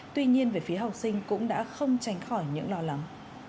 tuy nhiên về phía học sinh cũng đã không tránh khỏi những lo lắng